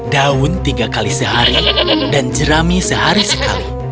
daun tiga kali sehari dan jerami sehari sekali